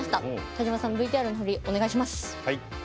田島さんのＶＴＲのフリお願いします。